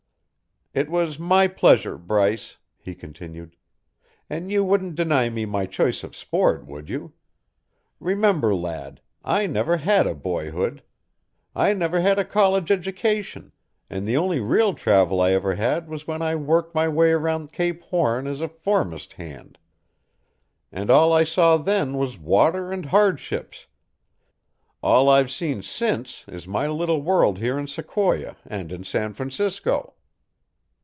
"It was my pleasure, Bryce," he continued, "and you wouldn't deny me my choice of sport, would you? Remember, lad, I never had a boyhood; I never had a college education, and the only real travel I have ever had was when I worked my way around Cape Horn as a foremast hand, and all I saw then was water and hardships; all I've seen since is my little world here in Sequoia and in San Francisco."